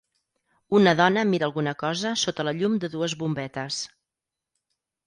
Una dona mira alguna cosa sota la llum de dues bombetes.